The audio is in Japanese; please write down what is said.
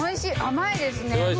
甘いですね。